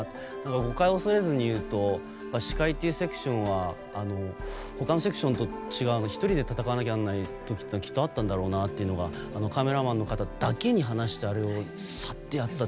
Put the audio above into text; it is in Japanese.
誤解を恐れずに言うと司会っていうセクションは他のセクションと違う１人で戦わなきゃならない時があったんだろうなっていうのをカメラマンの方だけに話してあれをさっとやったと。